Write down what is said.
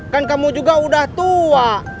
kan kamu juga udah tua